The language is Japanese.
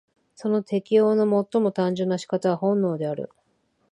その適応の最も単純な仕方は本能である。